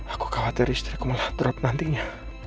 aku khawatir istriku malah berat nantinya